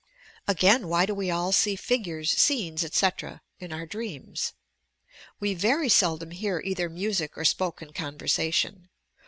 Again, why do we all see figures, scenes, etc., in our dreamst We very seldom kear either music or spoken conversation.